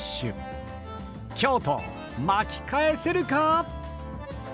京都巻き返せるか？